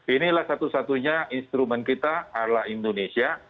inilah satu satunya instrumen kita ala indonesia